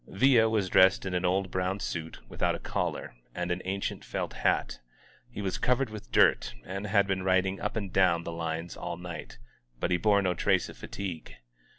Villa was dressed in an old brown suit, without a collar, and an ancient felt hat. He was covered with dirt, and had been riding up and down the lines all night; but he bore no trace of fatigue.